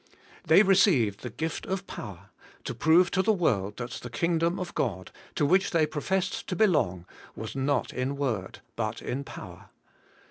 They re ceived the gift of power, to prove to the world that the kingdom of God, to which they professed to be long, was not in word but in power.